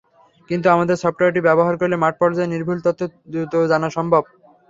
কিন্তু আমাদের সফটওয়্যারটি ব্যবহার করলে মাঠপর্যায়ের নির্ভুল তথ্য দ্রুত জানা সম্ভব।